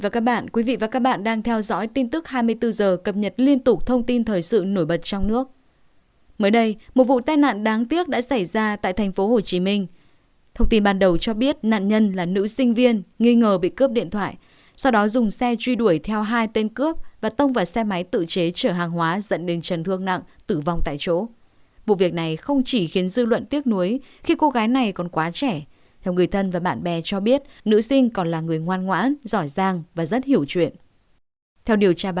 các bạn hãy đăng ký kênh để ủng hộ kênh của chúng mình nhé